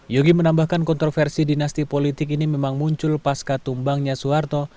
yogi menambahkan kontroversi dinasti politik ini memang muncul pasca tumbangnya soeharto